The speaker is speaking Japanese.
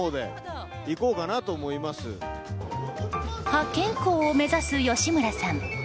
歯健康を目指す吉村さん。